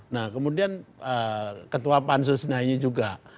nah kemudian ketua pansusnya ini juga